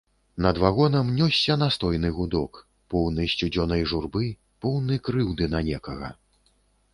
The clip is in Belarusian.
Над вагонам нёсся настойны гудок, поўны сцюдзёнай журбы, поўны крыўды на некага.